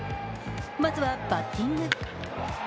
まずはバッティング。